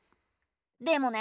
でもね